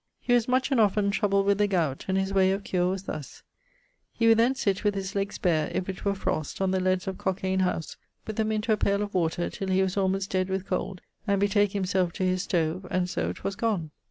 He was much and often troubled with the gowte, and his way of cure was thus; he would then sitt with his legges bare, if it were frost, on the leads of Cockaine house, putt them into a payle of water, till he was almost dead with cold, and betake himselfe to his stove, and so 'twas gonne.